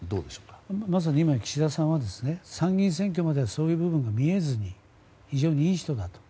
今の岸田さんは参議院選挙まではそういう部分が見えずに非常にいい人だと。